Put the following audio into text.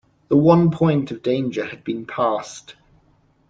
The one point of danger had been passed.